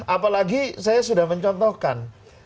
apalagi saya sudah mencontohkan